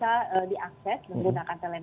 jadi kita bisa pantau terus